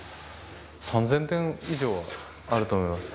３０００点以上あると思います。